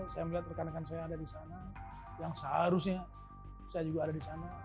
saya melihat rekan rekan saya ada di sana yang seharusnya saya juga ada di sana